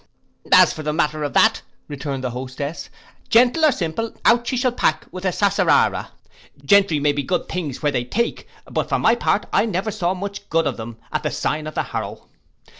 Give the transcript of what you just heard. '—'As for the matter of that,' returned the hostess, 'gentle or simple, out she shall pack with a sassarara. Gentry may be good things where they take; but for my part I never saw much good of them at the sign of the Harrow.